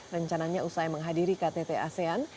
rencananya usai menghadiri ktt asean